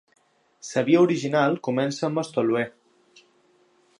La via original comença amb el toluè.